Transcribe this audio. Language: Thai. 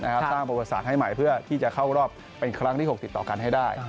สร้างโปรประสานให้ใหม่เพื่อที่จะเข้ารอบเป็นครั้งที่๖๐ต่อกันให้ได้